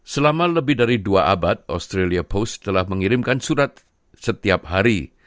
selama lebih dari dua abad australia post telah mengirimkan surat setiap hari